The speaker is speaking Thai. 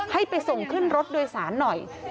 ให้ไปส่งขึ้นรถโดยสารหน่อย